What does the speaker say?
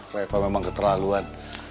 reva memang keterlaluan